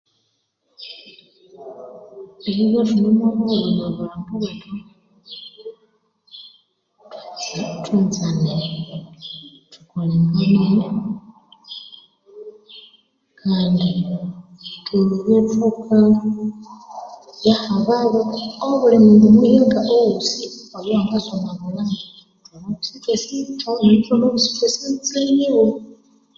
Eribya ithune omwa bughuma omwa bulhambo bwethu Thwanzane, thukolengane kandi thubye thukaya hababa obuli mundu muhyaka owosi oyowangasa omwa bulhambo thwamabya sithwasi emitse yiwe.